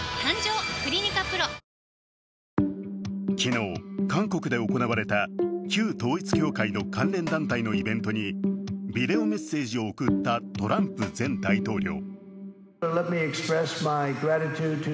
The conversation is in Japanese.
昨日、韓国で行われた旧統一教会の関連団体のイベントにビデオメッセージを送ったトランプ前大統領。